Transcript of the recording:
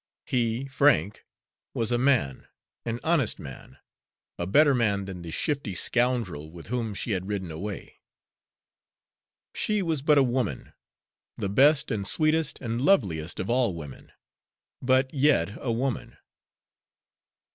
He, Frank, was a man, an honest man a better man than the shifty scoundrel with whom she had ridden away. She was but a woman, the best and sweetest and loveliest of all women, but yet a woman.